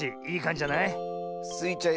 いいかんじじゃない？